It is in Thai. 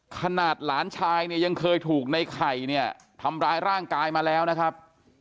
หลานชายเนี่ยยังเคยถูกในไข่เนี่ยทำร้ายร่างกายมาแล้วนะครับ